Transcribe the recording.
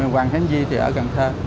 hoàng khánh duy thì ở cần thơ